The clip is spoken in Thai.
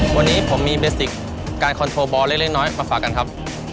วันนี้ผมมีเบสติกการคอนโทรบอลเล็กน้อยมาฝากกันครับ